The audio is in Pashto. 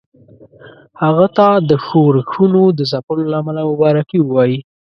هغه ته د ښورښونو د ځپلو له امله مبارکي ووايي.